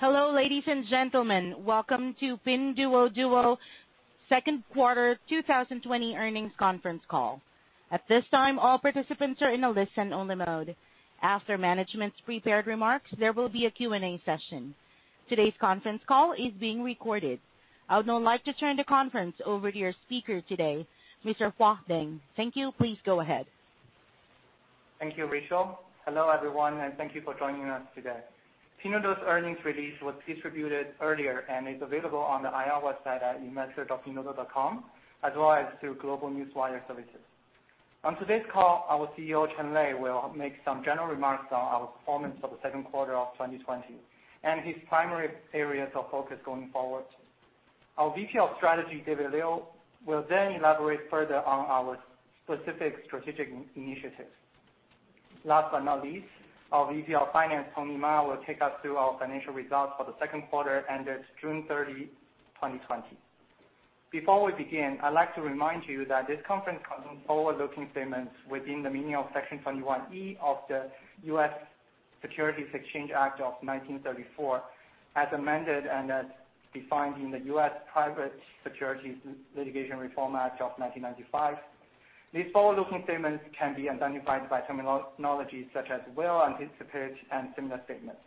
Hello, ladies and gentlemen. Welcome to Pinduoduo second quarter 2020 earnings conference call. At this time, all participants are in a listen-only mode. After management's prepared remarks, there will be a Q&A session. Today's conference call is being recorded. I would now like to turn the conference over to your speaker today, Mr. Huang Zheng. Thank you. Please go ahead. Thank you, Rachel. Hello, everyone, and thank you for joining us today. Pinduoduo's earnings release was distributed earlier and is available on the IR website at investor.pinduoduo.com, as well as through GlobeNewswire services. On today's call, our CEO, Lei Chen, will make some general remarks on our performance for the second quarter of 2020 and his primary areas of focus going forward. Our VP of Strategy, David Liu, will then elaborate further on our specific strategic initiatives. Last but not least, our VP of Finance, Tony Ma, will take us through our financial results for the second quarter ended June 30, 2020. Before we begin, I'd like to remind you that this conference contains forward-looking statements within the meaning of Section 21E of the U.S. Securities Exchange Act of 1934, as amended and as defined in the U.S. Private Securities Litigation Reform Act of 1995. These forward-looking statements can be identified by terminologies such as will, anticipate, and similar statements.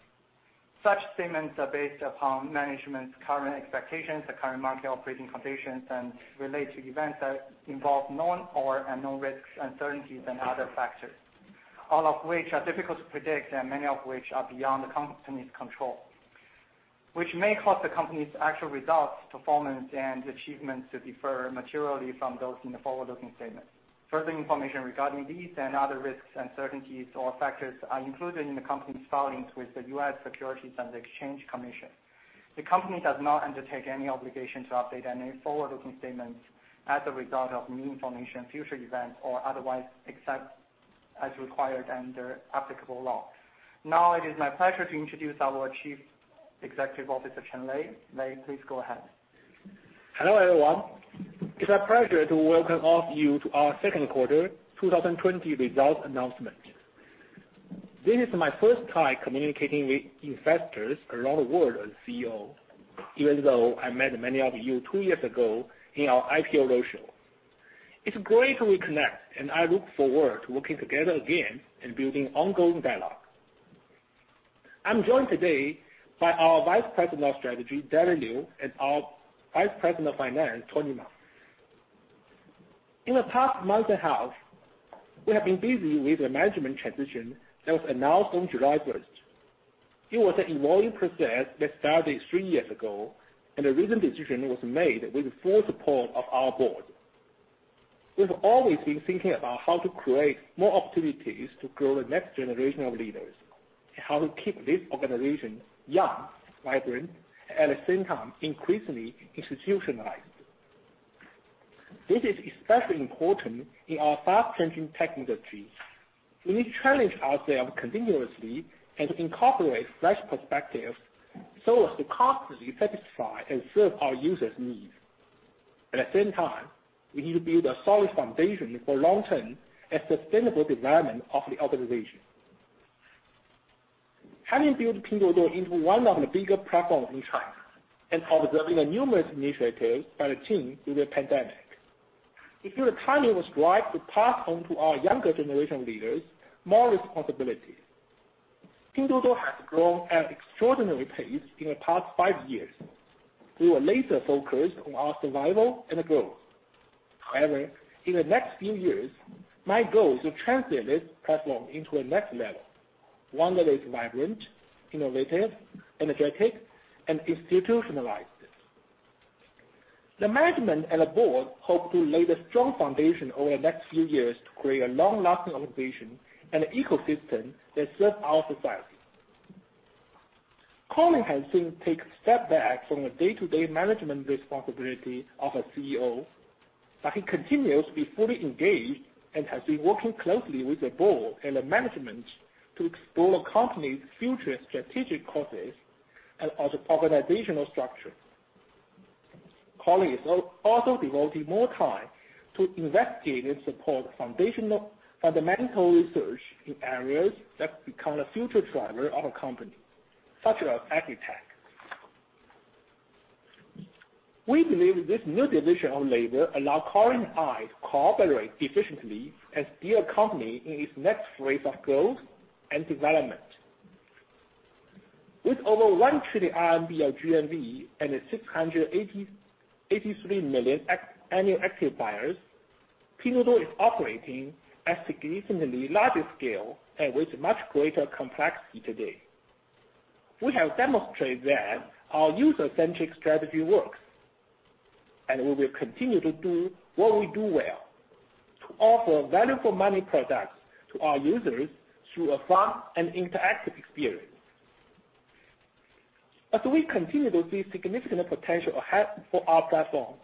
Such statements are based upon management's current expectations, the current market operating conditions, and relate to events that involve known or unknown risks, uncertainties, and other factors, all of which are difficult to predict and many of which are beyond the company's control, which may cause the company's actual results, performance, and achievements to differ materially from those in the forward-looking statements. Further information regarding these and other risks, uncertainties, or factors are included in the company's filings with the U.S. Securities and Exchange Commission. The company does not undertake any obligation to update any forward-looking statements as a result of new information, future events, or otherwise, except as required under applicable law. Now, it is my pleasure to introduce our Chief Executive Officer, Lei Chen. Lei, please go ahead. Hello, everyone. It's my pleasure to welcome all of you to our second quarter 2020 results announcement. This is my first time communicating with investors around the world as CEO, even though I met many of you two years ago in our IPO roadshow. It's great to reconnect, and I look forward to working together again and building ongoing dialogue. I'm joined today by our Vice President of Strategy, David Liu, and our Vice President of Finance, Tony Ma. In the past month and a half, we have been busy with the management transition that was announced on July 1st. It was an evolving process that started three years ago, and the recent decision was made with the full support of our board. We've always been thinking about how to create more opportunities to grow the next generation of leaders and how to keep this organization young, vibrant, at the same time, increasingly institutionalized. This is especially important in our fast-changing technologies. We need to challenge ourselves continuously and to incorporate fresh perspectives so as to constantly satisfy and serve our users' needs. At the same time, we need to build a solid foundation for long-term and sustainable development of the organization. Having built Pinduoduo into one of the bigger platforms in China and observing the numerous initiatives by the team through the pandemic, we feel the time is right to pass on to our younger generation leaders more responsibilities. Pinduoduo has grown at extraordinary pace in the past five years. We were laser-focused on our survival and growth. However, in the next few years, my goal is to translate this platform into a next level, one that is vibrant, innovative, energetic, and institutionalized. The management and the board hope to lay the strong foundation over the next few years to create a long-lasting organization and ecosystem that serves our society. Colin has since taken a step back from the day-to-day management responsibility of a CEO, but he continues to be fully engaged and has been working closely with the board and the management to explore the company's future strategic courses and also organizational structure. Colin is also devoting more time to investigate and support fundamental research in areas that become a future driver of the company, such as agritech. We believe this new division of labor allow Colin and I to cooperate efficiently and steer a company in its next phase of growth and development. With over 1 trillion RMB of GMV and 683 million annual active buyers, Pinduoduo is operating at significantly larger scale and with much greater complexity today. We have demonstrated that our user-centric strategy works, and we will continue to do what we do well, to offer value for money products to our users through a fun and interactive experience. We continue to see significant potential ahead for our platform,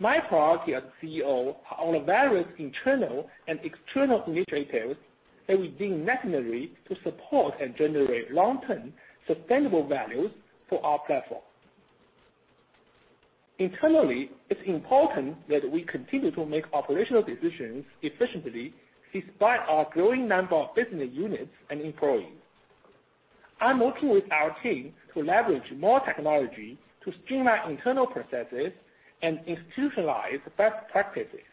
my priority as CEO are on the various internal and external initiatives that we deem necessary to support and generate long-term sustainable values for our platform. Internally, it's important that we continue to make operational decisions efficiently despite our growing number of business units and employees. I'm working with our team to leverage more technology to streamline internal processes and institutionalize best practices.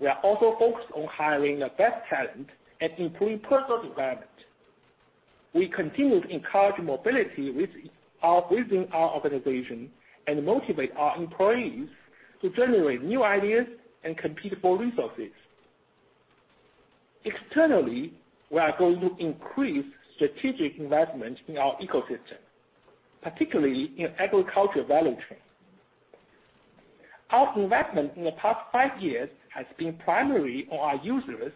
We are also focused on hiring the best talent and improve personal development. We continue to encourage mobility within our organization and motivate our employees to generate new ideas and compete for resources. Externally, we are going to increase strategic investments in our ecosystem, particularly in agriculture value chain. Our investment in the past five years has been primarily on our users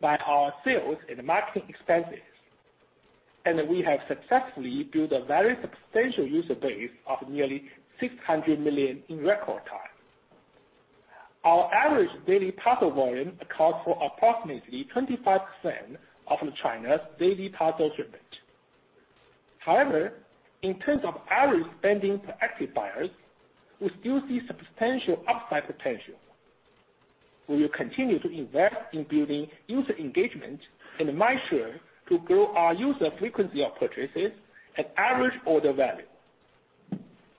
by our sales and marketing expenses. We have successfully built a very substantial user base of nearly 600 million in record time. Our average daily parcel volume accounts for approximately 25% of China's daily parcel shipment. However, in terms of average spending per active buyers, we still see substantial upside potential. We will continue to invest in building user engagement and make sure to grow our user frequency of purchases and average order value.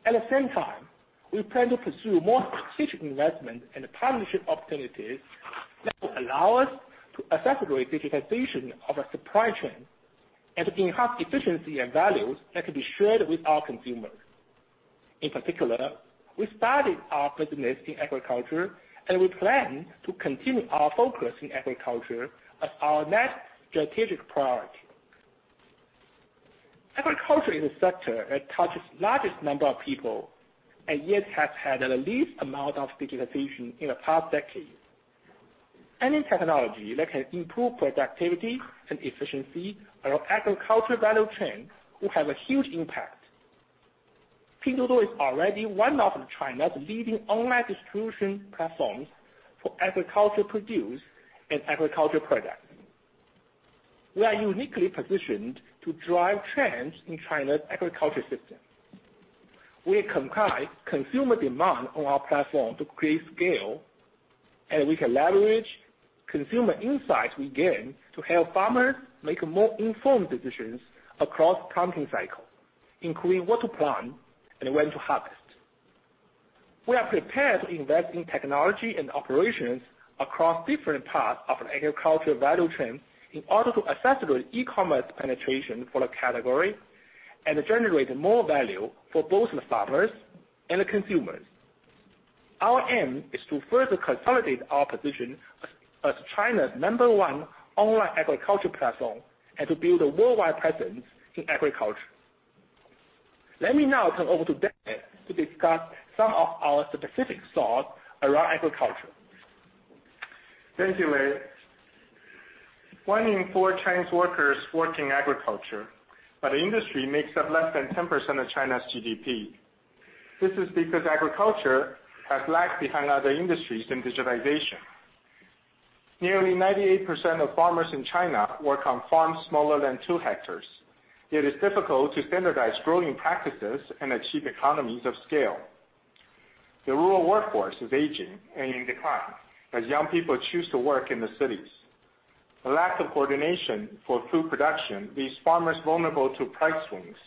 At the same time, we plan to pursue more strategic investment and partnership opportunities that will allow us to accelerate digitization of our supply chain and enhance efficiency and values that can be shared with our consumers. In particular, we started our business in agriculture, and we plan to continue our focus in agriculture as our next strategic priority. Agriculture is a sector that touches largest number of people and yet has had the least amount of digitization in the past decade. Any technology that can improve productivity and efficiency along agriculture value chain will have a huge impact. Pinduoduo is already one of China's leading online distribution platforms for agriculture produce and agriculture products. We are uniquely positioned to drive trends in China's agriculture system. We combine consumer demand on our platform to create scale, and we can leverage consumer insights we gain to help farmers make more informed decisions across planting cycle, including what to plant and when to harvest. We are prepared to invest in technology and operations across different parts of the agriculture value chain in order to accelerate e-commerce penetration for the category and generate more value for both the farmers and the consumers. Our aim is to further consolidate our position as China's number one online agriculture platform and to build a worldwide presence in agriculture. Let me now turn over to David to discuss some of our specific thoughts around agriculture. Thank you, Lei. One in four Chinese workers work in agriculture, the industry makes up less than 10% of China's GDP. This is because agriculture has lagged behind other industries in digitization. Nearly 98% of farmers in China work on farms smaller than two hectares, it's difficult to standardize growing practices and achieve economies of scale. The rural workforce is aging and in decline as young people choose to work in the cities. The lack of coordination for food production leaves farmers vulnerable to price swings,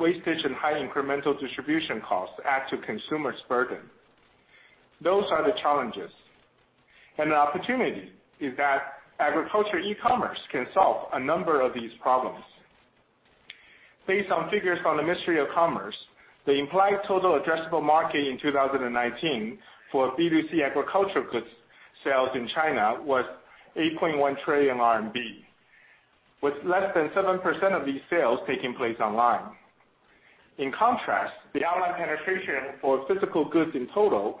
wastage and high incremental distribution costs add to consumers' burden. Those are the challenges. The opportunity is that agriculture e-commerce can solve a number of these problems. Based on figures from the Ministry of Commerce, the implied total addressable market in 2019 for B2C agriculture goods sales in China was 8.1 trillion RMB, with less than 7% of these sales taking place online. In contrast, the online penetration for physical goods in total was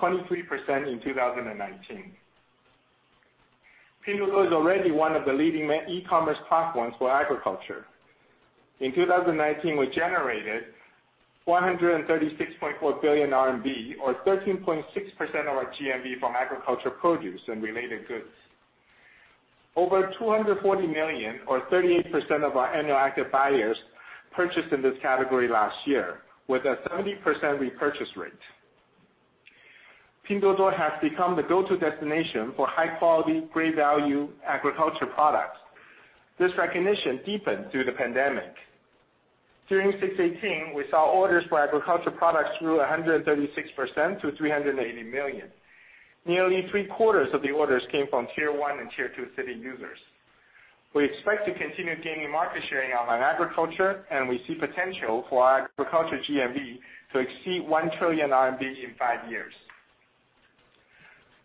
23% in 2019. Pinduoduo is already one of the leading e-commerce platforms for agriculture. In 2019, we generated 136.4 billion RMB or 13.6% of our GMV from agriculture produce and related goods. Over 240 million or 38% of our annual active buyers purchased in this category last year with a 70% repurchase rate. Pinduoduo has become the go-to destination for high-quality, great value agriculture products. This recognition deepened through the pandemic. During 618, we saw orders for agriculture products grew 136% to 380 million. Nearly 3/4 of the orders came from Tier 1 and Tier 2 city users. We expect to continue gaining market share in online agriculture, and we see potential for our agriculture GMV to exceed 1 trillion RMB in five years.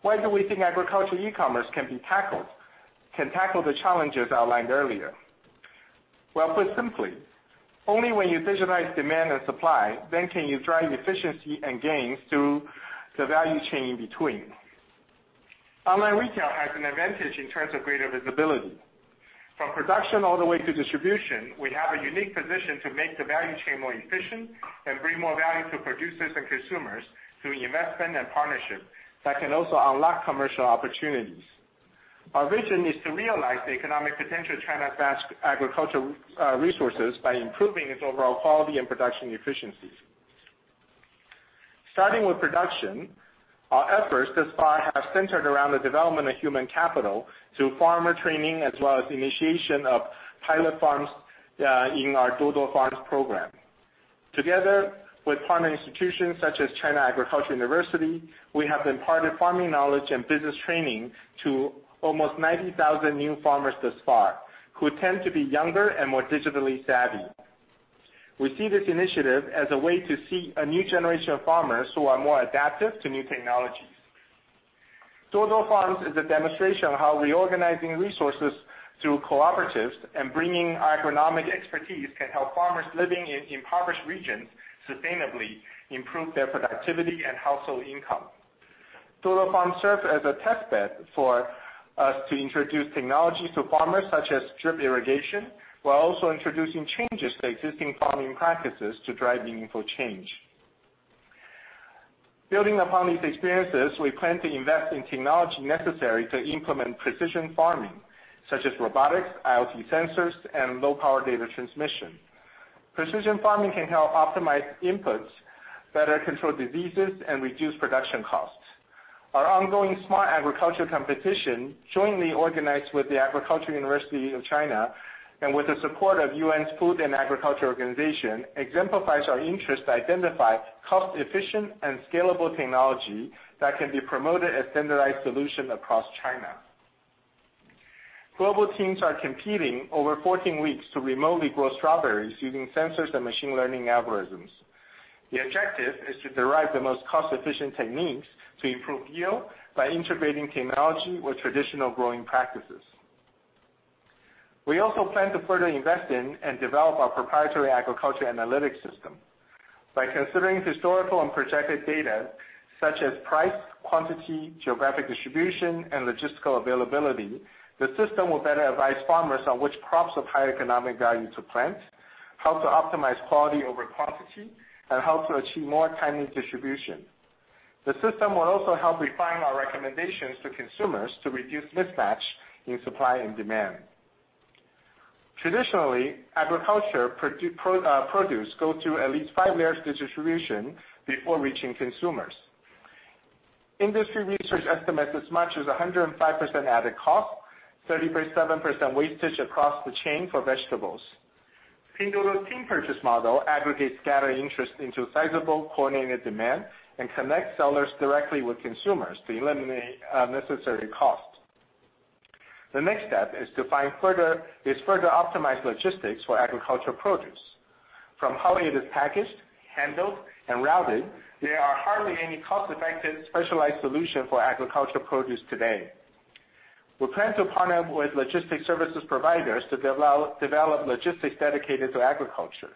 Why do we think agriculture e-commerce can tackle the challenges outlined earlier? Well, put simply, only when you digitize demand and supply, then can you drive efficiency and gains through the value chain in between. Online retail has an advantage in terms of greater visibility. From production all the way to distribution, we have a unique position to make the value chain more efficient and bring more value to producers and consumers through investment and partnership that can also unlock commercial opportunities. Our vision is to realize the economic potential of China's vast agricultural resources by improving its overall quality and production efficiency. Starting with production, our efforts thus far have centered around the development of human capital through farmer training, as well as the initiation of pilot farms in our Duo Duo Farms program. Together with partner institutions such as China Agricultural University, we have imparted farming knowledge and business training to almost 90,000 new farmers thus far, who tend to be younger and more digitally savvy. We see this initiative as a way to see a new generation of farmers who are more adaptive to new technologies. Duo Duo Farms is a demonstration of how reorganizing resources through cooperatives and bringing agronomic expertise can help farmers living in impoverished regions sustainably improve their productivity and household income. Duo Duo Farms serves as a test bed for us to introduce technology to farmers such as drip irrigation, while also introducing changes to existing farming practices to drive meaningful change. Building upon these experiences, we plan to invest in technology necessary to implement precision farming, such as robotics, IoT sensors, and low-power data transmission. Precision farming can help optimize inputs, better control diseases, and reduce production costs. Our ongoing smart agriculture competition, jointly organized with China Agricultural University and with the support of Food and Agriculture Organization of the United Nations, exemplifies our interest to identify cost-efficient and scalable technology that can be promoted as standardized solution across China. Global teams are competing over 14 weeks to remotely grow strawberries using sensors and machine learning algorithms. The objective is to derive the most cost-efficient techniques to improve yield by integrating technology with traditional growing practices. We also plan to further invest in and develop our proprietary agriculture analytics system. By considering historical and projected data such as price, quantity, geographic distribution, and logistical availability, the system will better advise farmers on which crops of higher economic value to plant, how to optimize quality over quantity, and how to achieve more timely distribution. The system will also help refine our recommendations to consumers to reduce mismatch in supply and demand. Traditionally, agriculture produce go through at least five layers of distribution before reaching consumers. Industry research estimates as much as 105% added cost, 37% wastage across the chain for vegetables. Pinduoduo's team purchase model aggregates scattered interest into sizable coordinated demand and connects sellers directly with consumers to eliminate unnecessary costs. The next step is to further optimize logistics for agriculture produce. From how it is packaged, handled, and routed, there are hardly any cost-effective specialized solution for agriculture produce today. We plan to partner with logistics services providers to develop logistics dedicated to agriculture.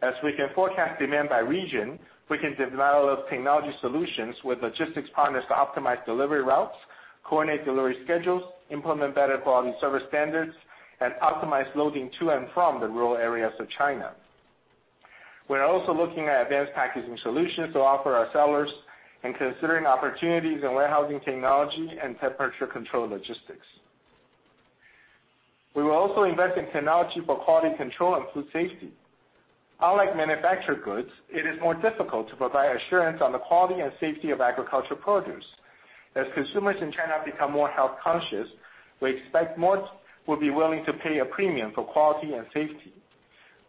As we can forecast demand by region, we can develop technology solutions with logistics partners to optimize delivery routes, coordinate delivery schedules, implement better quality service standards, and optimize loading to and from the rural areas of China. We're also looking at advanced packaging solutions to offer our sellers and considering opportunities in warehousing technology and temperature-controlled logistics. We will also invest in technology for quality control and food safety. Unlike manufactured goods, it is more difficult to provide assurance on the quality and safety of agriculture produce. As consumers in China become more health-conscious, we expect most will be willing to pay a premium for quality and safety.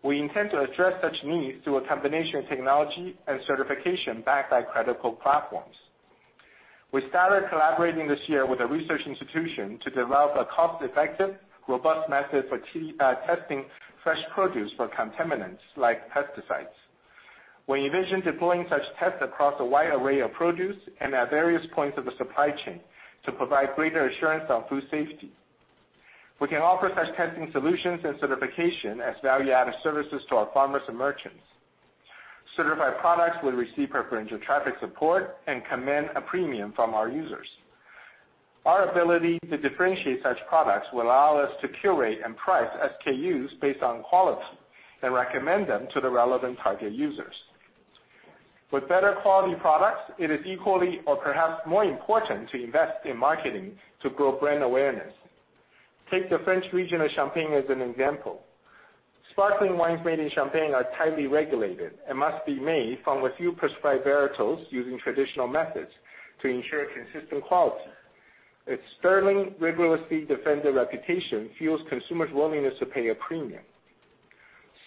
We intend to address such needs through a combination of technology and certification backed by credible platforms. We started collaborating this year with a research institution to develop a cost-effective, robust method for testing fresh produce for contaminants like pesticides. We envision deploying such tests across a wide array of produce and at various points of the supply chain to provide greater assurance on food safety. We can offer such testing solutions and certification as value-added services to our farmers and merchants. Certified products will receive preferential traffic support and command a premium from our users. Our ability to differentiate such products will allow us to curate and price SKUs based on quality and recommend them to the relevant target users. With better quality products, it is equally or perhaps more important to invest in marketing to grow brand awareness. Take the French region of Champagne as an example. Sparkling wines made in Champagne are tightly regulated and must be made from a few prescribed varietals using traditional methods to ensure consistent quality. Its sterling, rigorously defended reputation fuels consumers' willingness to pay a premium.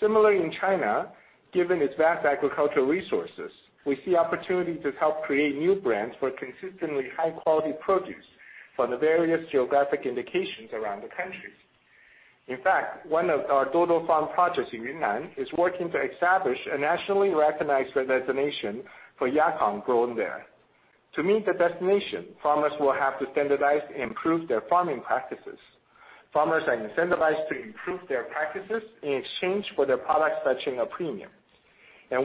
Similarly, in China, given its vast agricultural resources, we see opportunities to help create new brands for consistently high-quality produce from the various geographic indications around the country. In fact, one of our Duo Duo Farms projects in Yunnan is working to establish a nationally recognized designation for Yacon grown there. To meet the designation, farmers will have to standardize and improve their farming practices. Farmers are incentivized to improve their practices in exchange for their products fetching a premium.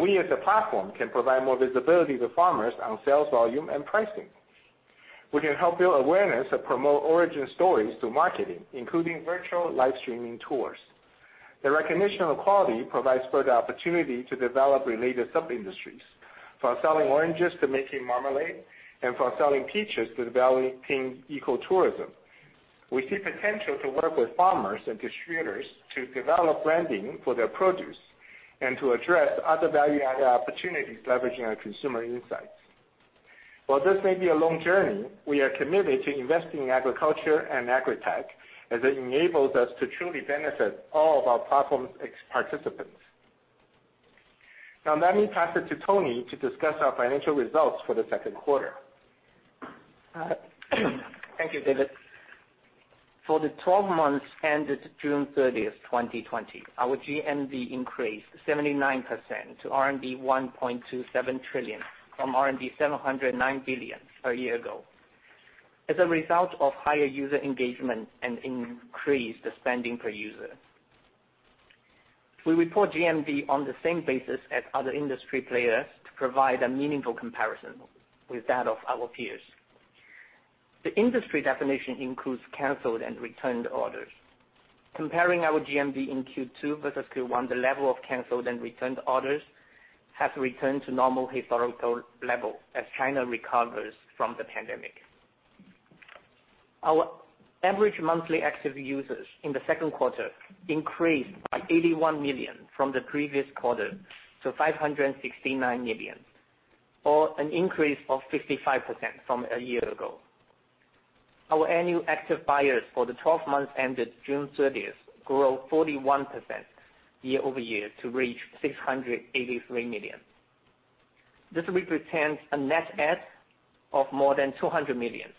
We, as a platform, can provide more visibility to farmers on sales volume and pricing. We can help build awareness and promote origin stories through marketing, including virtual live streaming tours. The recognition of quality provides further opportunity to develop related sub-industries, from selling oranges to making marmalade, from selling peaches to developing eco-tourism. We see potential to work with farmers and distributors to develop branding for their produce and to address other value-added opportunities leveraging our consumer insights. This may be a long journey, we are committed to investing in agriculture and agritech, as it enables us to truly benefit all of our platform's ex-participants. Now let me pass it to Tony to discuss our financial results for the second quarter. Thank you, David. For the 12 months ended June 30th, 2020, our GMV increased 79% to 1.27 trillion, from 709 billion a year ago, as a result of higher user engagement and increased spending per user. We report GMV on the same basis as other industry players to provide a meaningful comparison with that of our peers. The industry definition includes canceled and returned orders. Comparing our GMV in Q2 versus Q1, the level of canceled and returned orders has returned to normal historical level as China recovers from the pandemic. Our average monthly active users in the second quarter increased by 81 million from the previous quarter to 569 million, or an increase of 55% from a year ago. Our annual active buyers for the 12 months ended June 30th grew 41% year-over-year to reach 683 million. This represents a net add of more than 200 million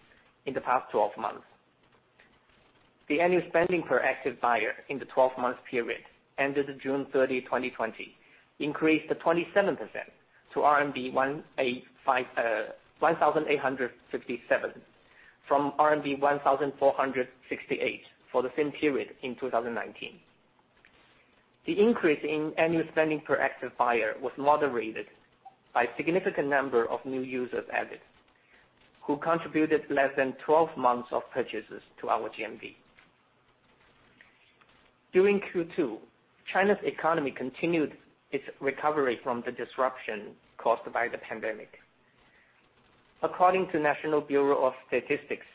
in the past 12 months. The annual spending per active buyer in the 12-month period ended June 30th, 2020, increased 27% to RMB 1,867, from RMB 1,468 for the same period in 2019. The increase in annual spending per active buyer was moderated by a significant number of new users added who contributed less than 12 months of purchases to our GMV. During Q2, China's economy continued its recovery from the disruption caused by the pandemic. According to National Bureau of Statistics,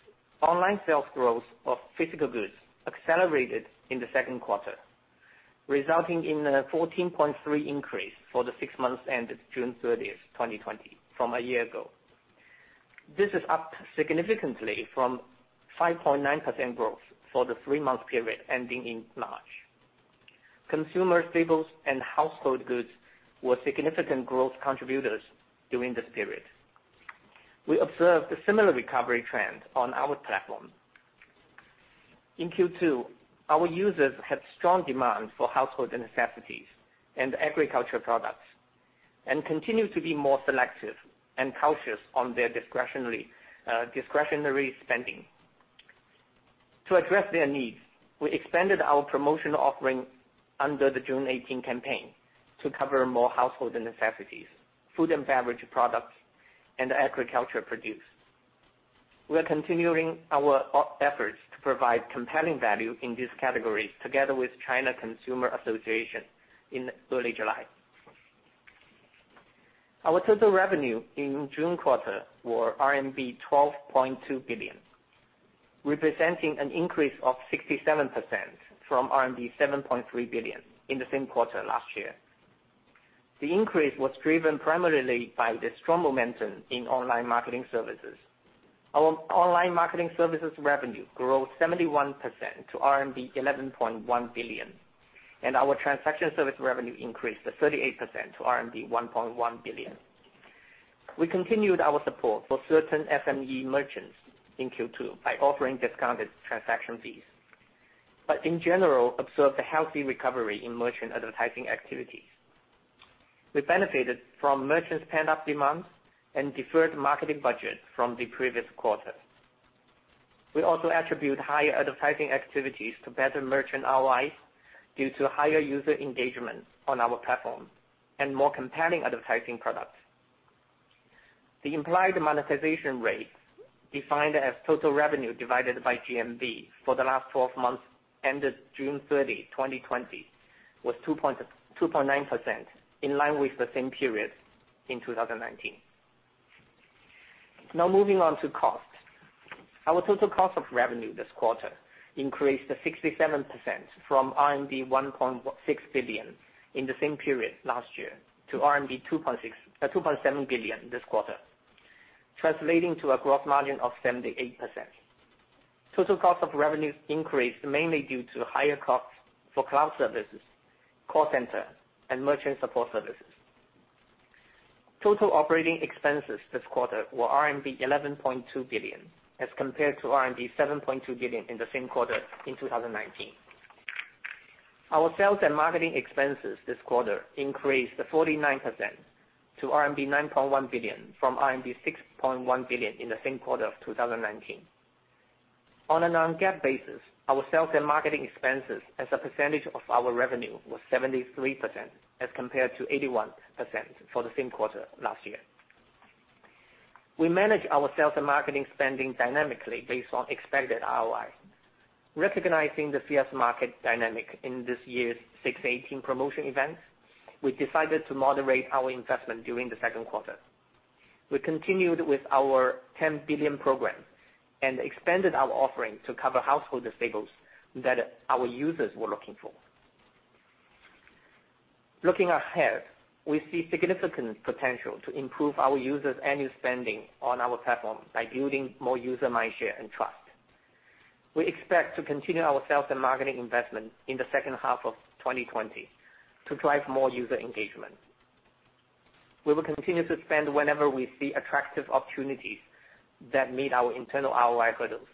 online sales growth of physical goods accelerated in the second quarter, resulting in a 14.3 increase for the six months ended June 30th, 2020, from a year ago. This is up significantly from 5.9% growth for the three-month period ending in March. Consumer staples and household goods were significant growth contributors during this period. We observed a similar recovery trend on our platform. In Q2, our users had strong demand for household necessities and agricultural products, and continued to be more selective and cautious on their discretionary spending. To address their needs, we expanded our promotion offering under the June 18th campaign to cover more household necessities, food and beverage products, and agriculture produce. We are continuing our efforts to provide compelling value in these categories together with China Consumers Association in early July. Our total revenue in June quarter were RMB 12.2 billion, representing an increase of 67% from RMB 7.3 billion in the same quarter last year. The increase was driven primarily by the strong momentum in online marketing services. Our online marketing services revenue grew 71% to RMB 11.1 billion, and our transaction service revenue increased 38% to RMB 1.1 billion. We continued our support for certain SME merchants in Q2 by offering discounted transaction fees, but in general observed a healthy recovery in merchant advertising activities. We benefited from merchants' pent-up demands and deferred marketing budget from the previous quarter. We also attribute higher advertising activities to better merchant ROIs due to higher user engagement on our platform and more compelling advertising products. The implied monetization rate, defined as total revenue divided by GMV for the last 12 months ended June 30, 2020, was 2.9%, in line with the same period in 2019. Now moving on to cost. Our total cost of revenue this quarter increased to 67% from RMB 1.6 billion in the same period last year to RMB 2.7 billion this quarter, translating to a gross margin of 78%. Total cost of revenues increased mainly due to higher costs for cloud services, call center, and merchant support services. Total operating expenses this quarter were RMB 11.2 billion as compared to RMB 7.2 billion in the same quarter in 2019. Our sales and marketing expenses this quarter increased to 49% to RMB 9.1 billion from RMB 6.1 billion in the same quarter of 2019. On a non-GAAP basis, our sales and marketing expenses as a percentage of our revenue was 73% as compared to 81% for the same quarter last year. We manage our sales and marketing spending dynamically based on expected ROI. Recognizing the fierce market dynamic in this year's 618 promotion events, we decided to moderate our investment during the second quarter. We continued with our 10 billion program and expanded our offering to cover household staples that our users were looking for. Looking ahead, we see significant potential to improve our users' annual spending on our platform by building more user mind share and trust. We expect to continue our sales and marketing investment in the second half of 2020 to drive more user engagement. We will continue to spend whenever we see attractive opportunities that meet our internal ROI hurdles.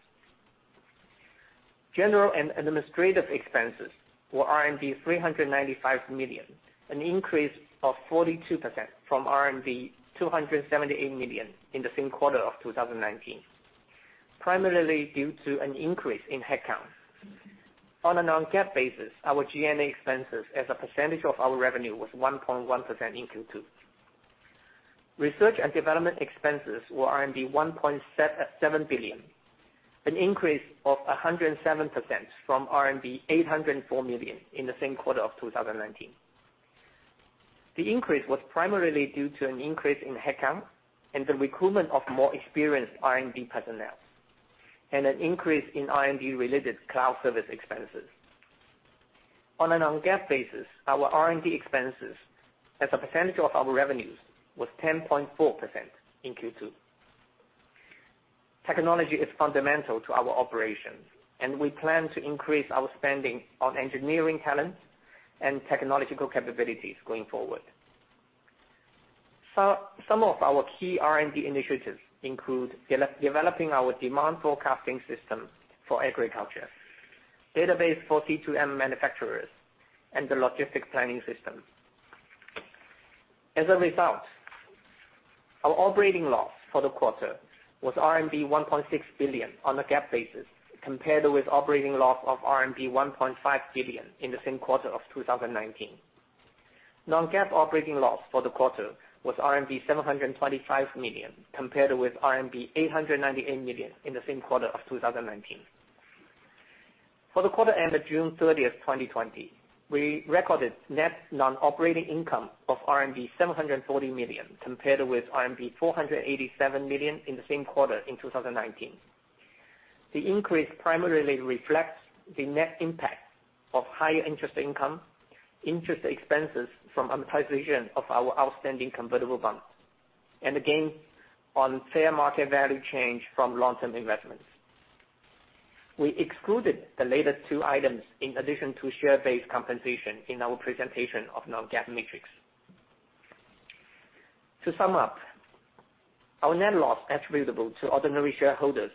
General and administrative expenses were RMB 395 million, an increase of 42% from RMB 278 million in the same quarter of 2019, primarily due to an increase in headcount. On a non-GAAP basis, our G&A expenses as a percentage of our revenue was 1.1% in Q2. Research and development expenses were 1.7 billion, an increase of 107% from 804 million in the same quarter of 2019. The increase was primarily due to an increase in headcount and the recruitment of more experienced R&D personnel, and an increase in R&D related cloud service expenses. On a non-GAAP basis, our R&D expenses as a percentage of our revenues was 10.4% in Q2. Technology is fundamental to our operations, and we plan to increase our spending on engineering talent and technological capabilities going forward. Some of our key R&D initiatives include developing our demand forecasting system for agriculture, database for C2M manufacturers, and the logistics planning system. As a result, our operating loss for the quarter was RMB 1.6 billion on a GAAP basis, compared with operating loss of RMB 1.5 billion in the same quarter of 2019. Non-GAAP operating loss for the quarter was RMB 725 million, compared with RMB 898 million in the same quarter of 2019. For the quarter ended June 30th, 2020, we recorded net non-operating income of RMB 740 million, compared with RMB 487 million in the same quarter in 2019. The increase primarily reflects the net impact of higher interest income, interest expenses from amortization of our outstanding convertible bonds, and the gain on fair market value change from long-term investments. We excluded the latest two items in addition to share-based compensation in our presentation of non-GAAP metrics. To sum up, our net loss attributable to ordinary shareholders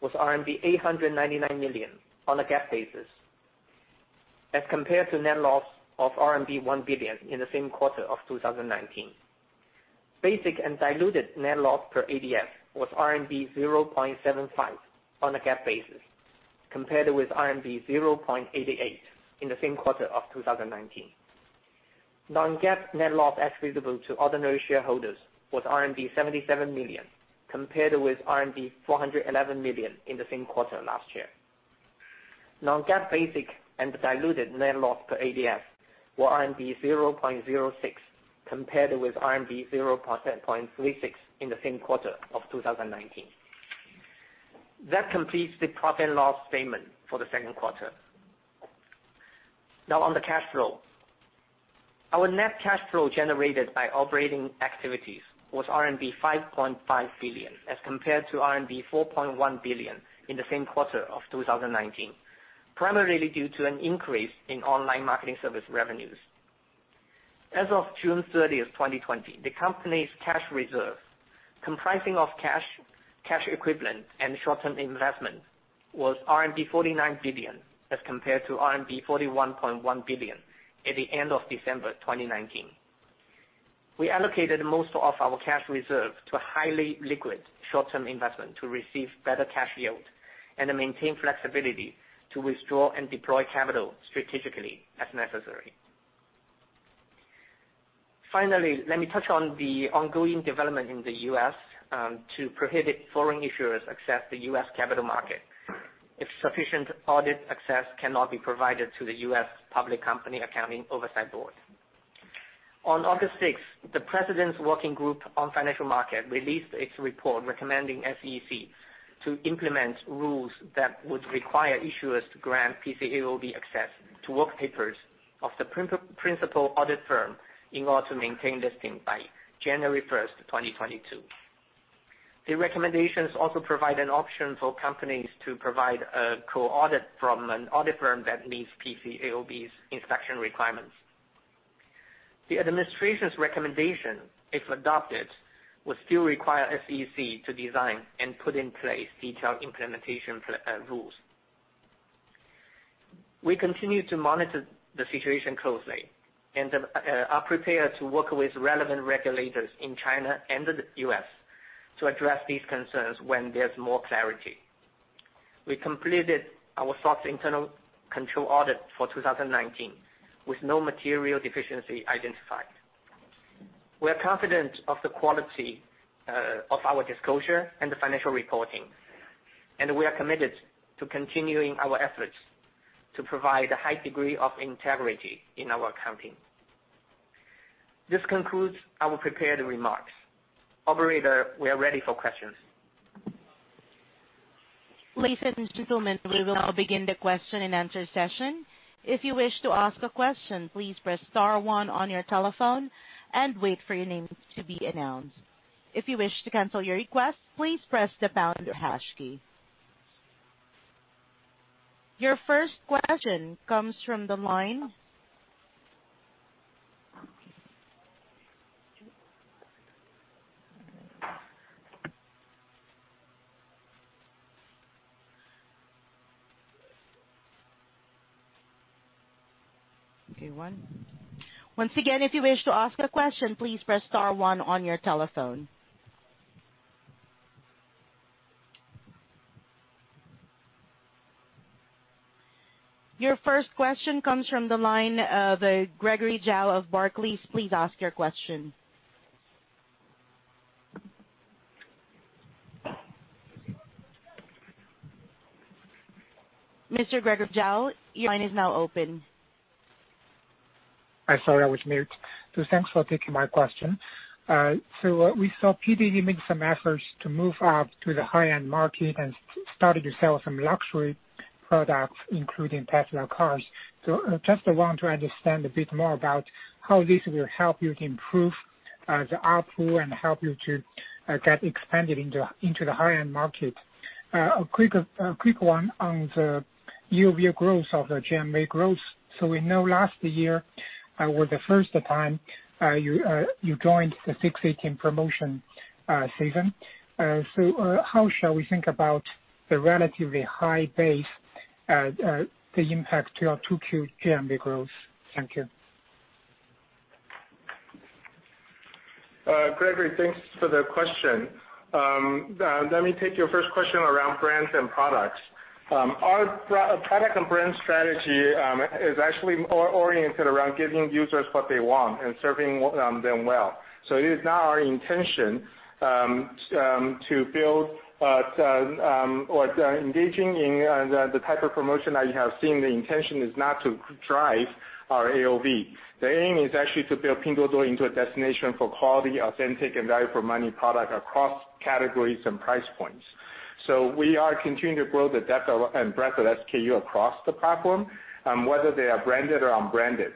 was RMB 899 million on a GAAP basis as compared to net loss of RMB 1 billion in the same quarter of 2019. Basic and diluted net loss per ADS was RMB 0.75 on a GAAP basis, compared with RMB 0.88 in the same quarter of 2019. non-GAAP net loss attributable to ordinary shareholders was RMB 77 million, compared with RMB 411 million in the same quarter last year. non-GAAP basic and diluted net loss per ADS were RMB 0.06, compared with RMB 0.36 in the same quarter of 2019. That completes the profit and loss statement for the second quarter. Now on the cash flow. Our net cash flow generated by operating activities was RMB 5.5 billion, as compared to RMB 4.1 billion in the same quarter of 2019, primarily due to an increase in online marketing service revenues. As of June 30, 2020, the company's cash reserve comprising of cash equivalent, and short-term investment was RMB 49 billion, as compared to RMB 41.1 billion at the end of December 2019. We allocated most of our cash reserve to highly liquid short-term investment to receive better cash yield and to maintain flexibility to withdraw and deploy capital strategically as necessary. Let me touch on the ongoing development in the U.S. to prohibit foreign issuers access the U.S. capital market if sufficient audit access cannot be provided to the U.S. Public Company Accounting Oversight Board. On August 6th, the president's working group on financial market released its report recommending SEC to implement rules that would require issuers to grant PCAOB access to work papers of the principal audit firm in order to maintain listing by January 1st, 2022. The recommendations also provide an option for companies to provide a co-audit from an audit firm that meets PCAOB's inspection requirements. The administration's recommendation, if adopted, would still require SEC to design and put in place detailed implementation rules. We continue to monitor the situation closely and are prepared to work with relevant regulators in China and the U.S. to address these concerns when there's more clarity. We completed our SOX internal control audit for 2019, with no material deficiency identified. We are confident of the quality of our disclosure and the financial reporting, and we are committed to continuing our efforts to provide a high degree of integrity in our accounting. This concludes our prepared remarks. Operator, we are ready for questions. Ladies and gentlemen, we will now begin the question-and-answer session. If you wish to ask a question, please press star one on your telephone and wait for your name to be announced. If you wish to cancel your request, please press the pound or hash key. Once again, if you wish to ask a question, please press star one on your telephone. Your first question comes from the line of Gregory Zhao of Barclays. Please ask your question. Mr. Gregory Zhao, your line is now open. I am sorry, I was mute. Thanks for taking my question. We saw PDD make some efforts to move up to the high-end market and started to sell some luxury products, including Tesla cars. Just want to understand a bit more about how this will help you to improve the output and help you to get expanded into the high-end market. A quick one on the year-over-year growth of the GMV growth. We know last year was the first time you joined the 618 promotion season. How shall we think about the relatively high base, the impact to your Q2 GMV growth? Thank you. Gregory, thanks for the question. Let me take your first question around brands and products. Our pro-product and brand strategy is actually more oriented around giving users what they want and serving them well. It is not our intention to build or engaging in the type of promotion that you have seen, the intention is not to drive our AOV. The aim is actually to build Pinduoduo into a destination for quality, authentic, and value for money product across categories and price points. We are continuing to grow the depth of and breadth of SKU across the platform, whether they are branded or unbranded.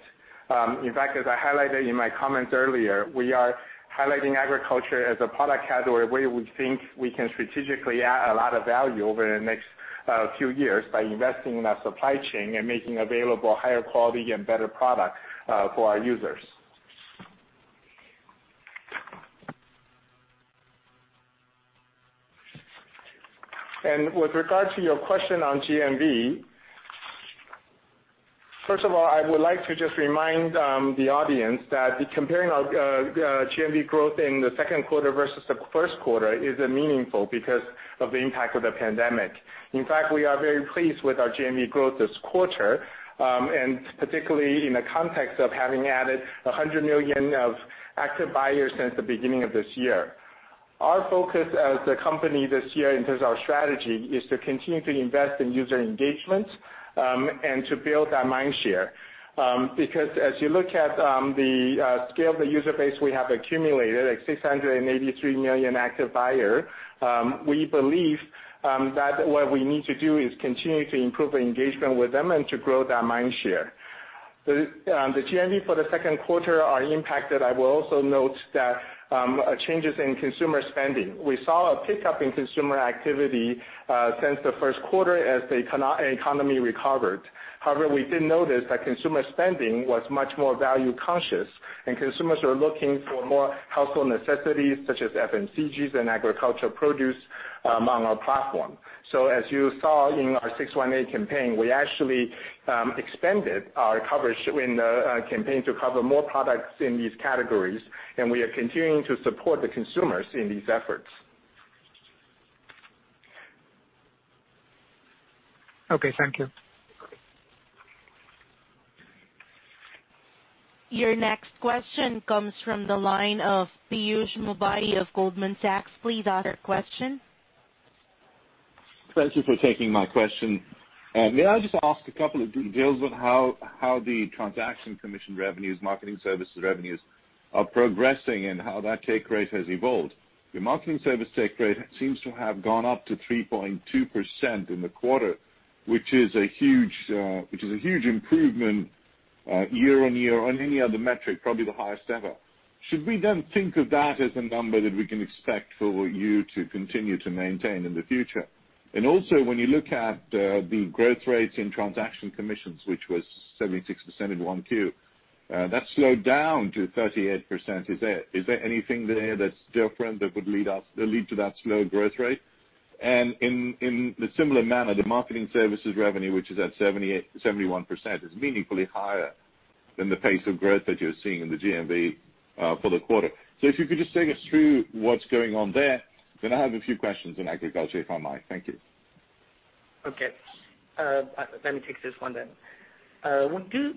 In fact, as I highlighted in my comments earlier, we are highlighting agriculture as a product category where we think we can strategically add a lot of value over the next few years by investing in that supply chain and making available higher quality and better product for our users. With regard to your question on GMV. First of all, I would like to just remind the audience that comparing our GMV growth in the second quarter versus the first quarter isn't meaningful because of the impact of the pandemic. In fact, we are very pleased with our GMV growth this quarter, and particularly in the context of having added 100 million of active buyers since the beginning of this year. Our focus as a company this year in terms of our strategy is to continue to invest in user engagement and to build our mind share. Because as you look at the scale of the user base we have accumulated, like 683 million active buyer, we believe that what we need to do is continue to improve the engagement with them and to grow their mind share. The GMV for the second quarter are impacted. I will also note that changes in consumer spending. We saw a pickup in consumer activity since the first quarter as the economy recovered. However, we did notice that consumer spending was much more value conscious, and consumers are looking for more household necessities such as FMCGs and agricultural produce among our platform. As you saw in our 618 campaign, we actually expanded our coverage in the campaign to cover more products in these categories, and we are continuing to support the consumers in these efforts. Okay. Thank you. Your next question comes from the line of Piyush Mubayi of Goldman Sachs. Please ask your question. Thank you for taking my question. May I just ask a couple of details of how the transaction commission revenues, marketing services revenues are progressing and how that take rate has evolved? Your marketing service take rate seems to have gone up to 3.2% in the quarter, which is a huge, which is a huge improvement year-over-year on any other metric, probably the highest ever. Should we think of that as a number that we can expect for you to continue to maintain in the future? Also, when you look at the growth rates in transaction commissions, which was 76% in 1Q, that slowed down to 38%. Is there anything there that's different that would lead to that slow growth rate? In the similar manner, the marketing services revenue, which is at 71% is meaningfully higher than the pace of growth that you're seeing in the GMV for the quarter. If you could just take us through what's going on there, then I have a few questions in agriculture, if I may. Thank you. Okay. Let me take this one then.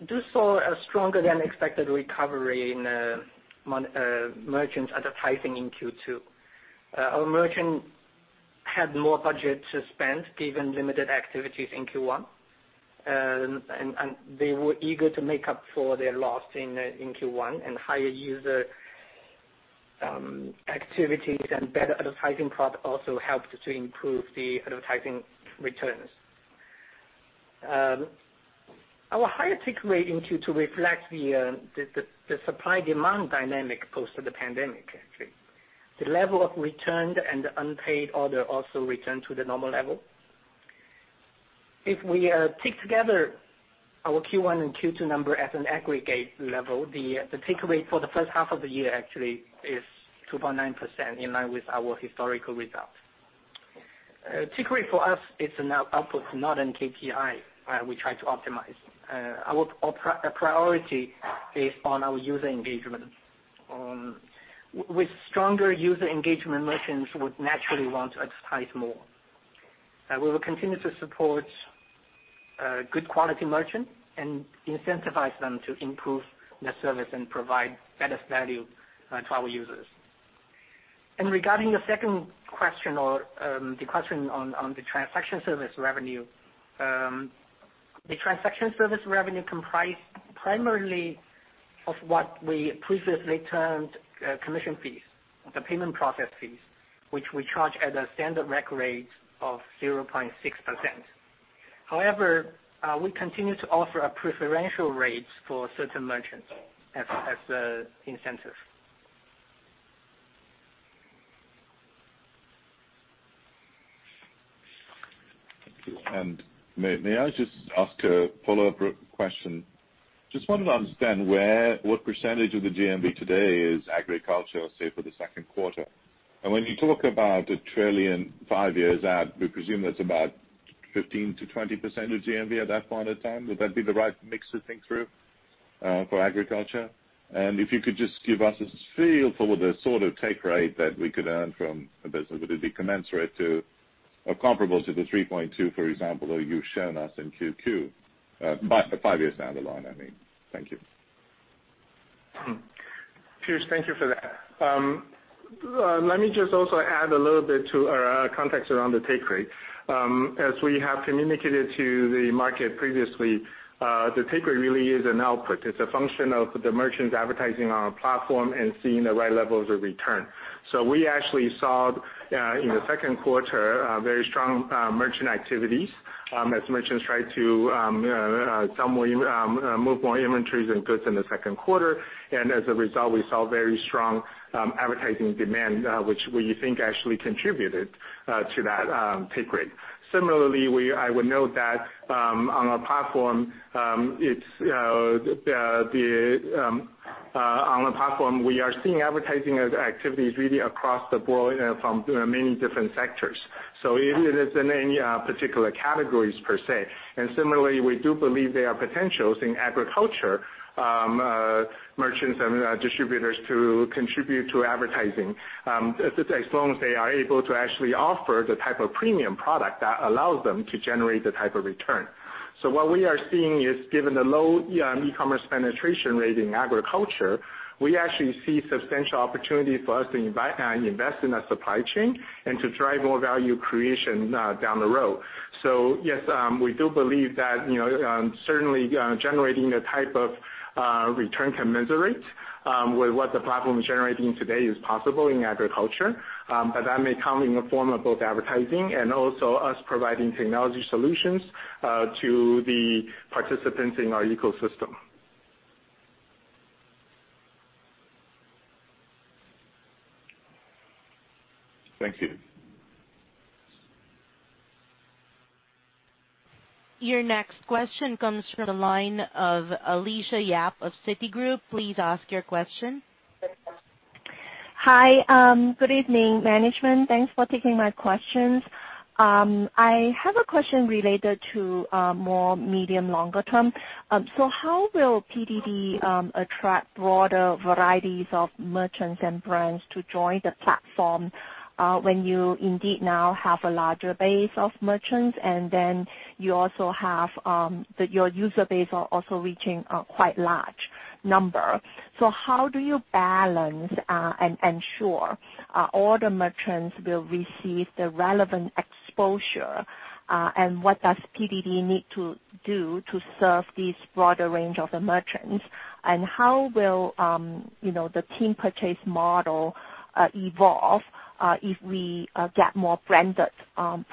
We saw a stronger than expected recovery in merchants advertising in Q2. Our merchant had more budget to spend given limited activities in Q1. They were eager to make up for their loss in Q1, and higher user activities and better advertising product also helped to improve the advertising returns. Our higher take rate in Q2 reflects the supply demand dynamic post of the pandemic actually. The level of returned and unpaid order also returned to the normal level. If we take together our Q1 and Q2 number at an aggregate level, the take rate for the first half of the year actually is 2.9% in line with our historical results. Take rate for us is an output, not a KPI we try to optimize. Our priority is on our user engagement. With stronger user engagement, merchants would naturally want to advertise more. We will continue to support good quality merchant and incentivize them to improve their service and provide better value to our users. Regarding the second question or the question on the transaction service revenue, the transaction service revenue comprise primarily of what we previously termed commission fees, the payment process fees, which we charge at a standard rack rate of 0.6%. However, we continue to offer a preferential rate for certain merchants as a incentive. Thank you. May I just ask a follow-up question? Just wanted to understand what percentage of the GMV today is agriculture, say, for the second quarter. When you talk about 1 trillion five years out, we presume that's about 15%-20% of GMV at that point in time. Would that be the right mix to think through for agriculture? If you could just give us a feel for the sort of take rate that we could earn from a business. Would it be commensurate to or comparable to the 3.2, for example, that you've shown us in Q2, five years down the line, I mean. Thank you. Piyush, thank you for that. Let me just also add a little bit to our context around the take rate. As we have communicated to the market previously, the take rate really is an output. It's a function of the merchants advertising on our platform and seeing the right levels of return. We actually saw in the second quarter very strong merchant activities as merchants tried to move more inventories and goods in the second quarter. As a result, we saw very strong advertising demand, which we think actually contributed to that take rate. Similarly, I would note that on our platform, it's the on the platform, we are seeing advertising as activities really across the board and from many different sectors. It isn't any particular categories per se. Similarly, we do believe there are potentials in agriculture, merchants and distributors to contribute to advertising, as long as they are able to actually offer the type of premium product that allows them to generate the type of return. What we are seeing is given the low e-commerce penetration rate in agriculture, we actually see substantial opportunities for us to invest in the supply chain and to drive more value creation down the road. Yes, we do believe that, you know, certainly, generating the type of return commensurate with what the platform is generating today is possible in agriculture, but that may come in the form of both advertising and also us providing technology solutions to the participants in our ecosystem. Thank you. Your next question comes from the line of Alicia Yap of Citigroup. Please ask your question. Hi. Good evening, Management. Thanks for taking my questions. I have a question related to more medium longer term. How will PDD attract broader varieties of merchants and brands to join the platform when you indeed now have a larger base of merchants, and then you also have your user base are also reaching a quite large number. How do you balance and ensure all the merchants will receive the relevant exposure? What does PDD need to do to serve these broader range of the merchants? How will, you know, the team purchase model evolve if we get more branded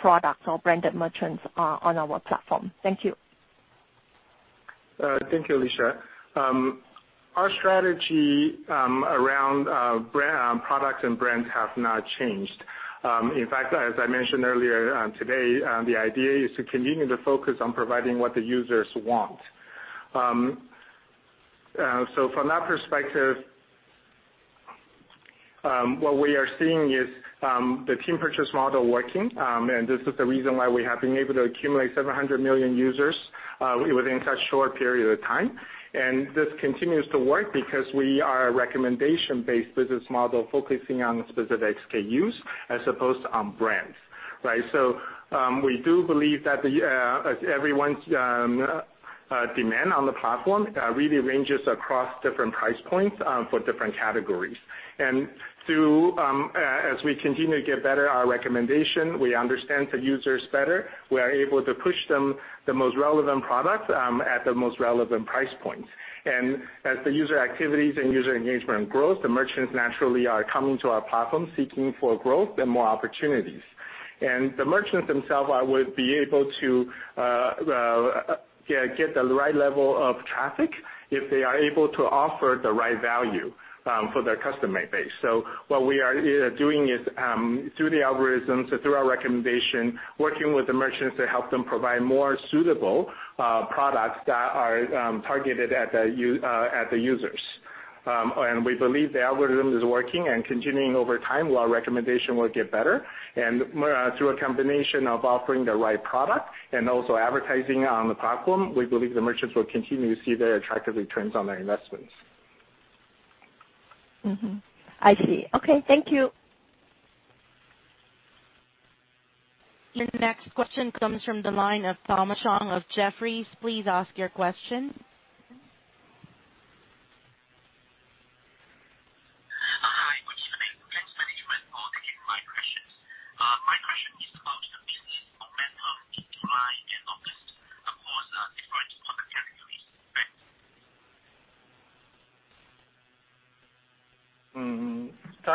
products or branded merchants on our platform? Thank you. Thank you, Alicia Yap. Our strategy around brand, products and brands have not changed. In fact, as I mentioned earlier, today, the idea is to continue to focus on providing what the users want. From that perspective, what we are seeing is the team purchase model working. This is the reason why we have been able to accumulate 700 million users within such short period of time. This continues to work because we are a recommendation-based business model focusing on specific SKUs as opposed on brands, right? We do believe that as everyone's demand on the platform really ranges across different price points for different categories. Through as we continue to get better our recommendation, we understand the users better, we are able to push them the most relevant products at the most relevant price points. As the user activities and user engagement grows, the merchants naturally are coming to our platform seeking for growth and more opportunities. The merchants themselves would be able to get the right level of traffic if they are able to offer the right value for their customer base. What we are doing is through the algorithms and through our recommendation, working with the merchants to help them provide more suitable products that are targeted at the users. We believe the algorithm is working and continuing over time, while recommendation will get better. More, through a combination of offering the right product and also advertising on the platform, we believe the merchants will continue to see their attractive returns on their investments. I see. Okay, thank you. Your next question comes from the line of Thomas Chong of Jefferies. Please ask your question.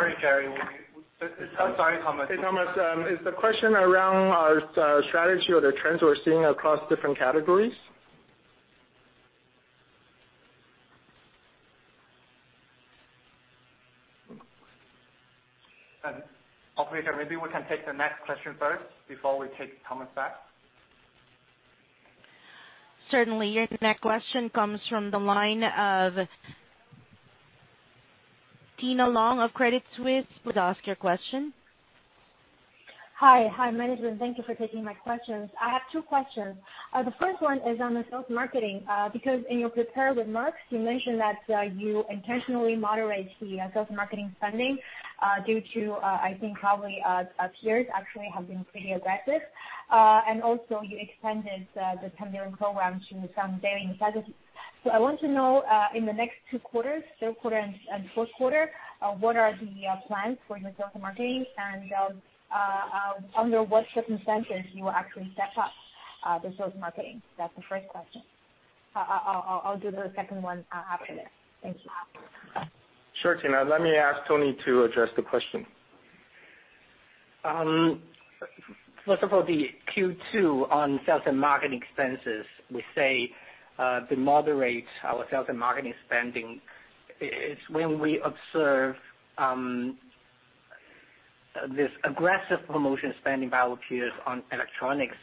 Hi. Good evening. Thanks, management, for taking my questions. My question is about the business momentum in July and August across different product categories. Thanks. Sorry, Gary. It's—sorry, Thomas. Hey, Thomas. Is the question around our strategy or the trends we're seeing across different categories? Operator, maybe we can take the next question first before we take Thomas back. Certainly. Your next question comes from the line of Tina Long of Credit Suisse. Please ask your question. Hi, management, thank you for taking my questions. I have two questions. The first one is on the sales marketing, because in your prepared remarks, you mentioned that you intentionally moderate the sales marketing spending due to, I think probably, peers actually have been pretty aggressive. Also you extended the 10 billion program to some daily incentives. I want to know, in the next two quarters, third quarter and fourth quarter, what are the plans for your sales and marketing? Under what circumstances you will actually step up the sales marketing? That's the first question. I'll do the second one after this. Thank you. Sure, Tina. Let me ask Tony to address the question. First of all, the Q2 on sales and marketing expenses, we say to moderate our sales and marketing spending is when we observe this aggressive promotion spending by our peers on electronics.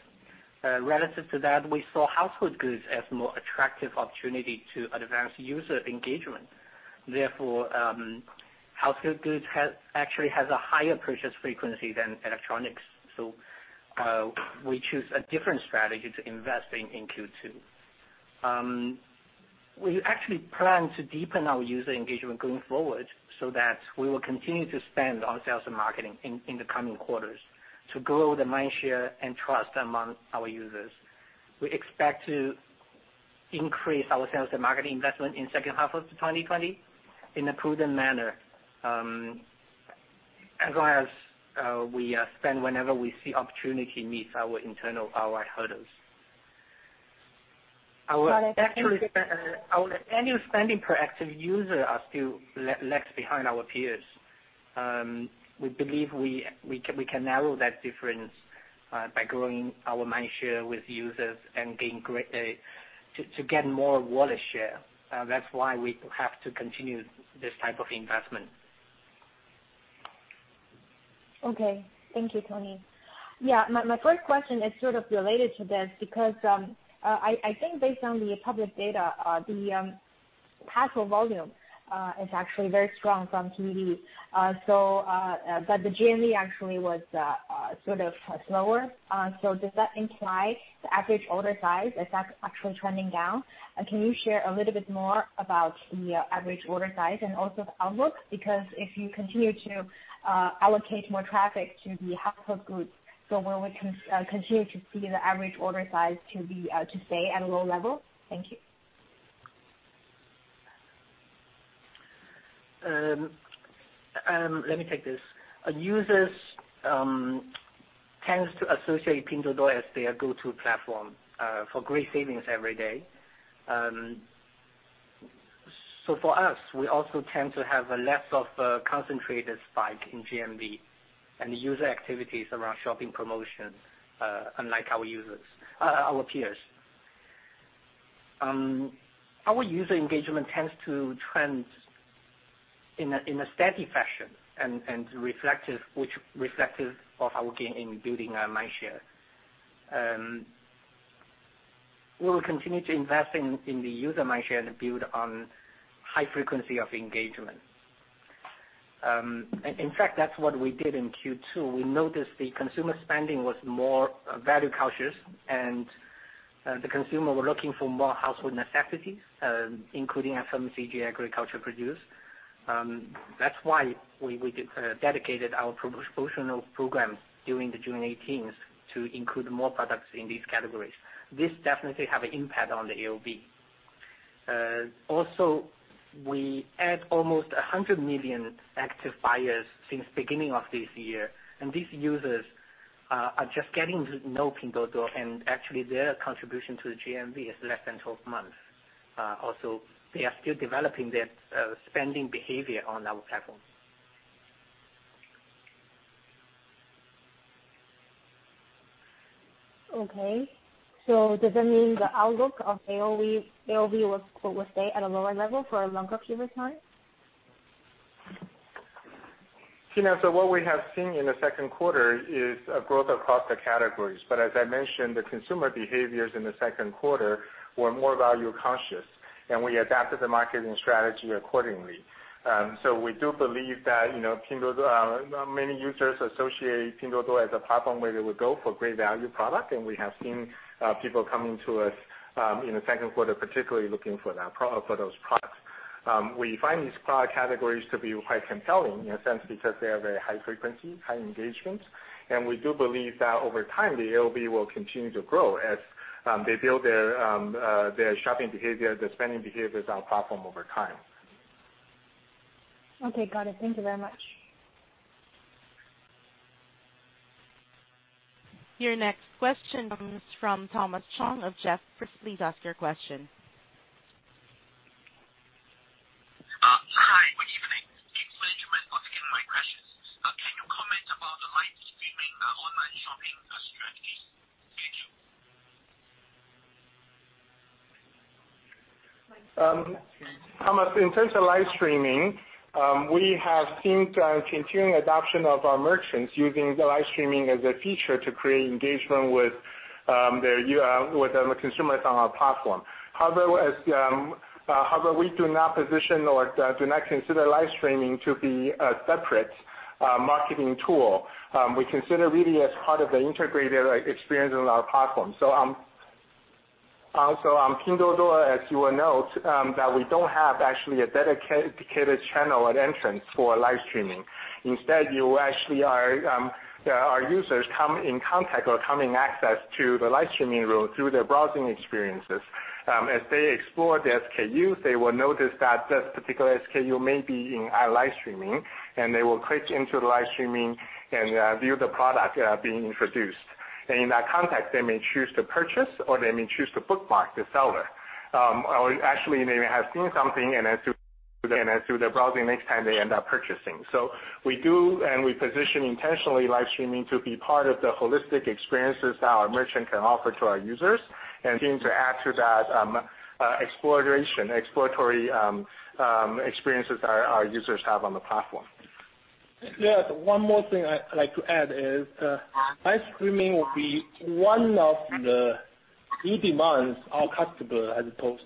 Relative to that, we saw household goods as more attractive opportunity to advance user engagement. Household goods actually has a higher purchase frequency than electronics. We choose a different strategy to investing in Q2. We actually plan to deepen our user engagement going forward so that we will continue to spend on sales and marketing in the coming quarters to grow the mind share and trust among our users. We expect to increase our sales and marketing investment in second half of 2020 in a prudent manner. As well as we spend whenever we see opportunity meets our internal ROI hurdles. Got it. Our annual spending per active user are still lags behind our peers. We believe we can narrow that difference by growing our mind share with users and gain great to get more wallet share. That's why we have to continue this type of investment. Okay. Thank you, Tony. My first question is sort of related to this because I think based on the public data, the household volume is actually very strong from PDD. But the GMV actually was sort of slower. Does that imply the average order size, is that actually trending down? Can you share a little bit more about the average order size and also the outlook? If you continue to allocate more traffic to the household goods, so will we continue to see the average order size to be to stay at a low level? Thank you. Let me take this. Users tends to associate Pinduoduo as their go-to platform for great savings every day. For us, we also tend to have a less of a concentrated spike in GMV and user activities around shopping promotion, unlike our peers. Our user engagement tends to trend in a steady fashion and reflective, which reflective of our gain in building mind share. We'll continue to invest in the user mindshare and build on high frequency of engagement. In fact, that's what we did in Q2. We noticed the consumer spending was more value conscious, and the consumer were looking for more household necessities, including FMCG agriculture produce. That's why we dedicated our promotional programs during the June 18th to include more products in these categories. This definitely have an impact on the AOV. We add almost 100 million active buyers since beginning of this year, and these users are just getting to know Pinduoduo, and actually their contribution to the GMV is less than 12 months. They are still developing their spending behavior on our platform. Okay. Does that mean the outlook of AOV will stay at a lower level for a longer period of time? Tina, what we have seen in the second quarter is a growth across the categories. As I mentioned, the consumer behaviors in the second quarter were more value conscious, and we adapted the marketing strategy accordingly. We do believe that, you know, Pinduoduo many users associate Pinduoduo as a platform where they would go for great value product. We have seen people coming to us in the second quarter, particularly looking for those products. We find these product categories to be quite compelling in a sense because they are very high frequency, high engagements, and we do believe that over time, the AOV will continue to grow as they build their shopping behavior, their spending behaviors on platform over time. Okay. Got it. Thank you very much. Your next question comes from Thomas Chong of Jefferies. Please ask your question. Hi, good evening. It's management. Asking my questions. Can you comment about the live streaming online shopping strategy? Thank you. Thomas, in terms of live streaming, we have seen continuing adoption of our merchants using the live streaming as a feature to create engagement with their consumers on our platform. However, we do not position or do not consider live streaming to be a separate marketing tool. We consider really as part of the integrated experience on our platform. Also on Pinduoduo, as you will note, that we don't have actually a dedicated channel or entrance for live streaming. Instead, our users come in contact or come in access to the live streaming room through their browsing experiences. As they explore the SKUs, they will notice that this particular SKU may be in our live streaming, they will click into the live streaming and view the product being introduced. In that context, they may choose to purchase or they may choose to bookmark the seller. Or actually, they may have seen something and as through their browsing next time they end up purchasing. We do, and we position intentionally live streaming to be part of the holistic experiences that our merchant can offer to our users and seem to add to that exploration, exploratory experiences our users have on the platform. Yes. One more thing I'd like to add is, live streaming will be one of the new demands our customer has posed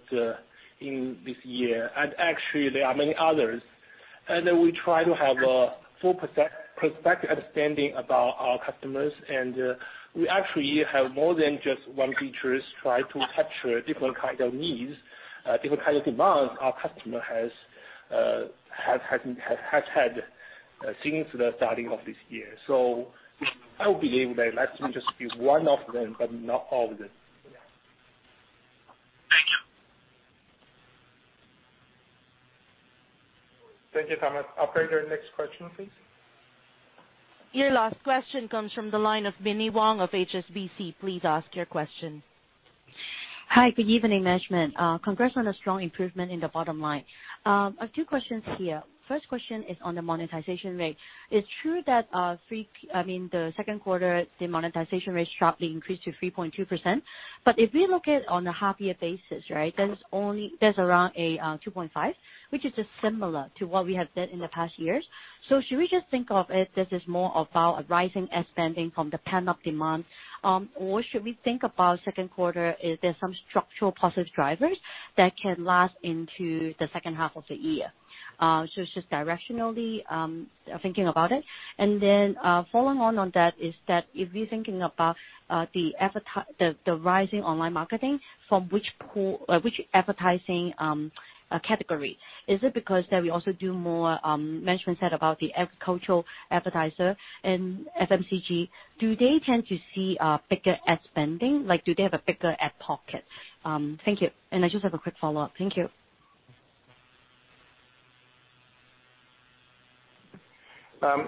in this year. Actually, there are many others. We try to have a full perspective understanding about our customers. We actually have more than just one features, try to capture different kind of needs, different kind of demands our customer has had since the starting of this year. I would be able to live streaming just be one of them, but not all of them. Thank you. Thank you, Thomas. Operator, next question, please. Your last question comes from the line of Binnie Wong of HSBC. Please ask your question. Hi, good evening, Management. Congrats on the strong improvement in the bottom line. I've two questions here. First question is on the monetization rate. It's true that, I mean, the second quarter, the monetization rate sharply increased to 3.2%. If we look at on a half year basis, right? That's only around a 2.5, which is just similar to what we have did in the past years. Should we just think of it this is more about a rising ad spending from the pent-up demand? Or should we think about second quarter, is there some structural positive drivers that can last into the second half of the year? It's just directionally thinking about it. following on that is that if you're thinking about, the rising online marketing, from which pool? Which advertising category? Is it because that we also do more, management said about the agricultural advertiser and FMCG. Do they tend to see a bigger ad spending? Like, do they have a bigger ad pocket? Thank you. I just have a quick follow-up. Thank you.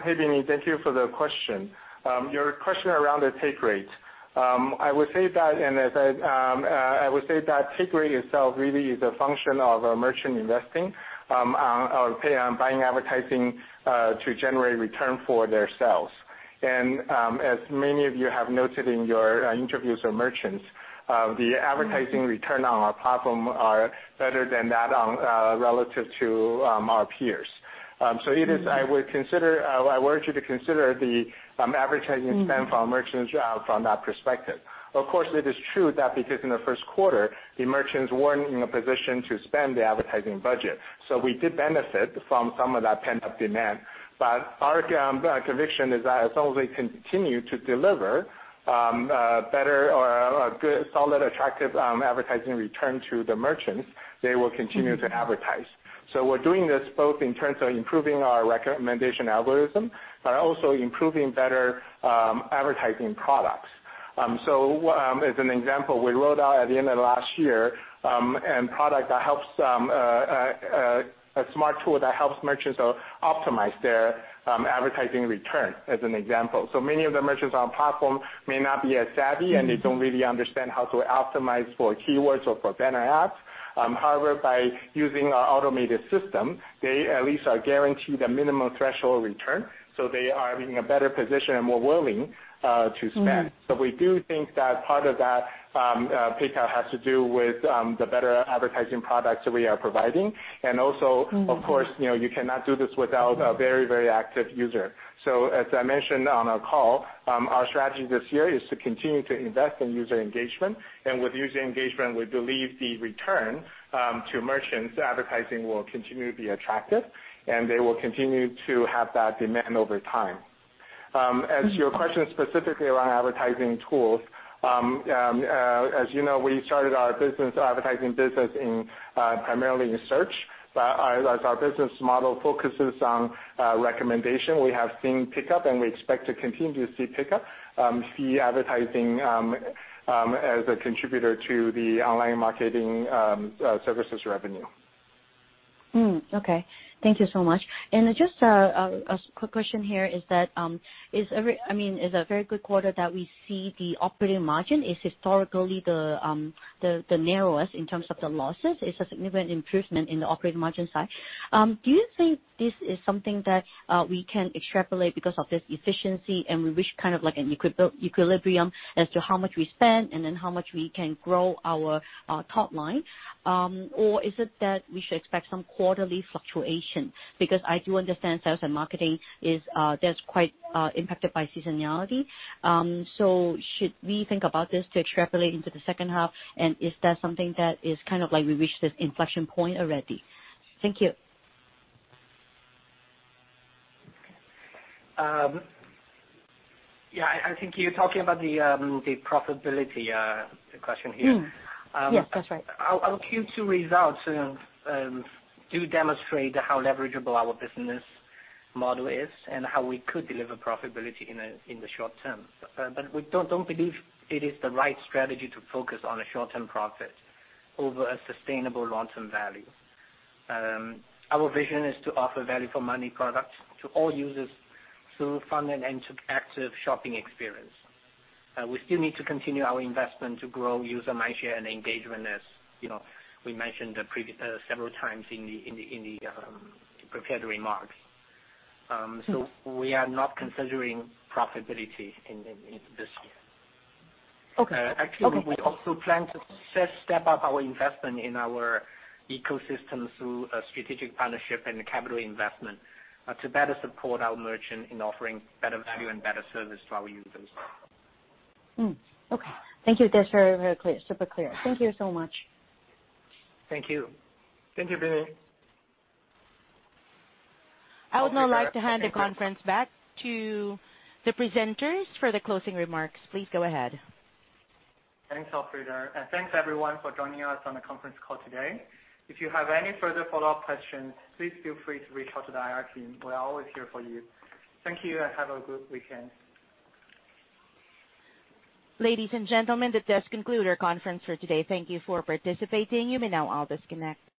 Hey, Binnie. Thank you for the question. Your question around the take rate. I would say that take rate itself really is a function of our merchant investing, on, or pay on buying advertising, to generate return for their sales. As many of you have noted in your interviews with merchants, the advertising return on our platform are better than that on, relative to, our peers. It is I would consider, I want you to consider the advertising spend from merchants from that perspective. It is true that because in the first quarter the merchants weren't in a position to spend the advertising budget, so we did benefit from some of that pent-up demand. Our conviction is that as long as they continue to deliver a better or a good solid, attractive advertising return to the merchants, they will continue to advertise. We're doing this both in terms of improving our recommendation algorithm, but also improving better advertising products. As an example, we rolled out at the end of last year a product that helps a smart tool that helps merchants optimize their advertising return, as an example. Many of the merchants on our platform may not be as savvy, and they don't really understand how to optimize for keywords or for better ads. However, by using our automated system, they at least are guaranteed a minimum threshold return, so they are in a better position and more willing to spend. We do think that part of that pickup has to do with the better advertising products that we are providing. You know, you cannot do this without a very active user. As I mentioned on our call, our strategy this year is to continue to invest in user engagement. With user engagement, we believe the return to merchants' advertising will continue to be attractive, and they will continue to have that demand over time. As to your question specifically around advertising tools, as you know, we started our business, advertising business in primarily in search. As our business model focuses on recommendation, we have seen pickup, and we expect to continue to see pickup, see advertising as a contributor to the online marketing services revenue. Okay. Thank you so much. Just a quick question here is that, I mean, is a very good quarter that we see the operating margin is historically the narrowest in terms of the losses. It's a significant improvement in the operating margin side. Do you think this is something that we can extrapolate because of this efficiency and we reach kind of like an equilibrium as to how much we spend and then how much we can grow our top line? Or is it that we should expect some quarterly fluctuation? Because I do understand sales and marketing is that's quite impacted by seasonality. Should we think about this to extrapolate into the second half? Is that something that is kind of like we reached this inflection point already? Thank you. I think you're talking about the profitability question here. Yes, that's right. Our Q2 results to demonstrate how leverageable our business model is and how we could deliver profitability in the short term. We don't believe it is the right strategy to focus on a short-term profit over a sustainable long-term value. Our vision is to offer value for money products to all users through fun and active shopping experience. We still need to continue our investment to grow user mindshare and engagement, as you know, we mentioned previously several times in the prepared remarks. We are not considering profitability in this year. Okay. Okay. Actually, we also plan to step up our investment in our ecosystem through a strategic partnership and capital investment to better support our merchant in offering better value and better service to our users. Okay. Thank you. That's very, very clear. Super clear. Thank you so much. Thank you. Thank you, Binnie. I would now like to hand the conference back to the presenters for the closing remarks. Please go ahead. Thanks, Alfreda, and thanks, everyone, for joining us on the conference call today. If you have any further follow-up questions, please feel free to reach out to the IR team. We are always here for you. Thank you, and have a good weekend. Ladies and gentlemen, that does conclude our conference for today. Thank you for participating. You may now all disconnect.